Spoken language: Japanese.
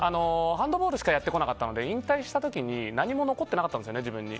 ハンドボールしかやってこなかったので引退した時に何も残ってなかったんです自分に。